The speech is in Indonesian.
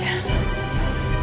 aku udah selesai